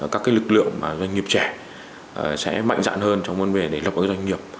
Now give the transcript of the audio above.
các lực lượng doanh nghiệp trẻ sẽ mạnh dạng hơn trong vấn đề lập ứng doanh nghiệp